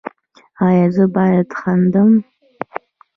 ایا زه باید خندم؟